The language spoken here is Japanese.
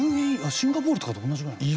シンガポールとかと同じぐらいなんですね。